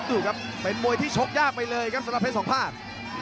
ดูครับเป็นมวยที่ชกยากไปเลยครับสำหรับเพชรสองภาค